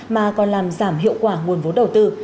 mà còn làm giảm hiệu quả nguồn vốn đầu tư